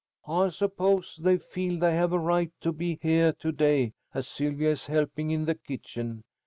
I suppose they feel they have a right to be heah to day, as Sylvia is helping in the kitchen.